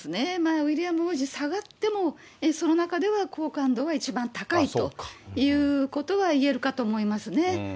ウィリアム王子、下がってもその中では好感度は一番高いということはいえるかと思いますね。